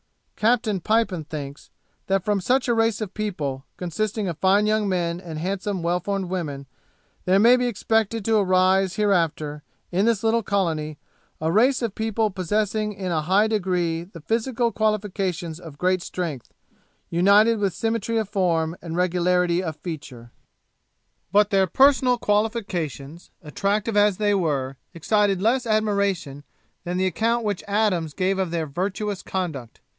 Captain Pipon thinks that from such a race of people, consisting of fine young men and handsome well formed women, there may be expected to arise hereafter, in this little colony, a race of people possessing in a high degree the physical qualifications of great strength, united with symmetry of form and regularity of feature. But their personal qualifications, attractive as they were, excited less admiration than the account which Adams gave of their virtuous conduct.